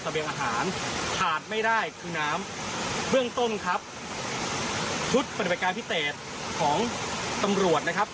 เบียงอาหารขาดไม่ได้คือน้ำเบื้องต้นครับชุดปฏิบัติการพิเศษของตำรวจนะครับ